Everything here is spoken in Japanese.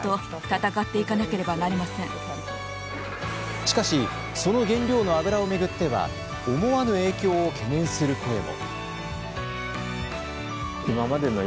しかし、その原料の油を巡っては思わぬ影響を懸念する声も。